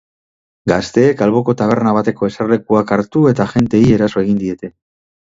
Gazteek alboko taberna bateko eserlekuak hartu eta agenteei eraso egin diete.